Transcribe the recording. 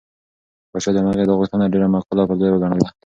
پاچا د مرغۍ دا غوښتنه ډېره معقوله او پر ځای وګڼله.